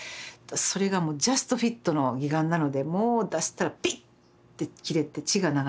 それがもうジャストフィットの義眼なのでもう出したらピッて切れて血が流れる。